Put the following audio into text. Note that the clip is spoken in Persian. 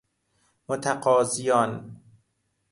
متقاضیان